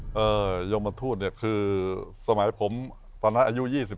โอเคยุมทูธคือสมัยผมตอนนั้นอายุ๒๕